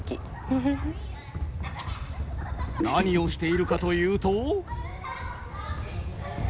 何をしているかというと。